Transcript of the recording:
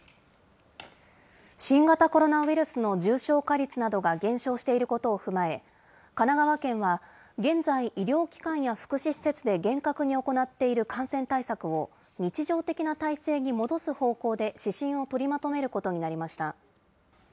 新型コロナウイルスの重症化率などが減少していることを踏まえ、神奈川県は現在、医療機関や福祉施設で厳格に行っている感染対策を、日常的な体制に戻す方向で指針を取りまとめることになりました。